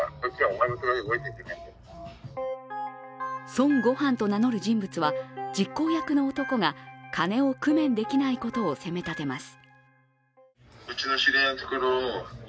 孫悟飯と名乗る人物は実行役の男が金を工面できないことを責め立てます。